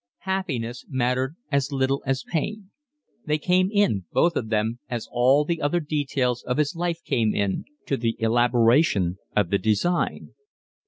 Happiness mattered as little as pain. They came in, both of them, as all the other details of his life came in, to the elaboration of the design.